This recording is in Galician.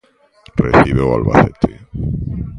Recibe o Albacete.